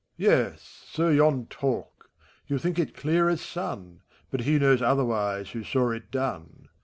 Yes, so yon talk! You think it elear as snn; But he knows otherwise, who saw it done.